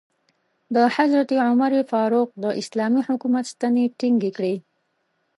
حضرت عمر فاروق د اسلامي حکومت ستنې ټینګې کړې.